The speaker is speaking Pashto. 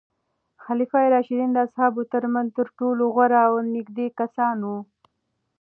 خلفای راشدین د اصحابو ترمنځ تر ټولو غوره او نږدې کسان وو.